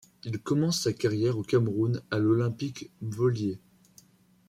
Il commence sa carrière au Cameroun, à l'Olympique Mvolyé.